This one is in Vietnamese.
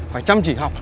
phải chăm chỉ học